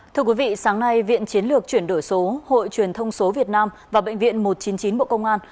thưa quý vị sáng nay viện chiến lược chuyển đổi số hội truyền thông số việt nam và bệnh viện một trăm chín mươi chín bộ công an